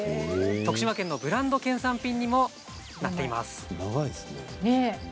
徳島県のブランド県産品にもなっています。